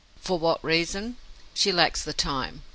For what reason? She lacks the time.